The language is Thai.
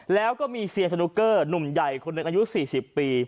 แล้วก็มีเซียนสนุกเกอร์หนุ่มใหญ่คนหนึ่งอายุ๔๐ปี